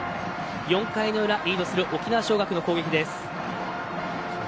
４回の裏リードする沖縄尚学の攻撃。